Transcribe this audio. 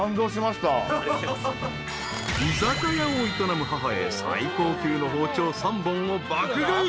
［居酒屋を営む母へ最高級の包丁３本を爆買い］